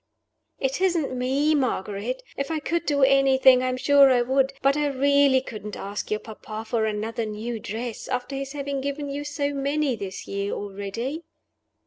"It isn't me, Margaret: if I could do anything, I'm sure I would; but I really couldn't ask your papa for another new dress, after his having given you so many this year, already."